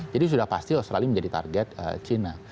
jadi sudah pasti australia menjadi target cina